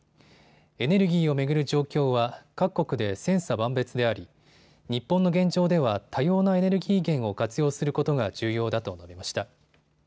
エネルギーを巡る状況は各国で千差万別であり日本の現状では多様なエネルギー源を活用することが重要だと述べました。